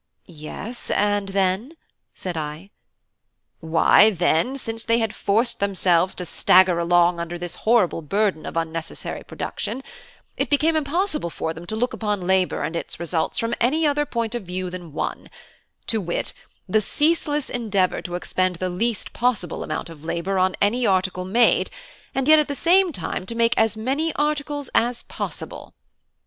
"Yes and then?" said I. "Why, then, since they had forced themselves to stagger along under this horrible burden of unnecessary production, it became impossible for them to look upon labour and its results from any other point of view than one to wit, the ceaseless endeavour to expend the least possible amount of labour on any article made, and yet at the same time to make as many articles as possible.